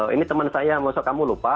ini teman saya maksudnya kamu lupa